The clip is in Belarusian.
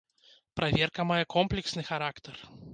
Праверка мае комплексны характар.